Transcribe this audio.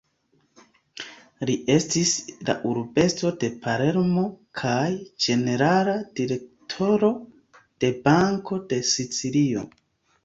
Li estis la Urbestro de Palermo kaj ĝenerala Direktoro de Banko de Sicilio.